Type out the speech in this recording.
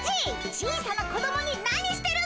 小さな子どもに何してるんだい！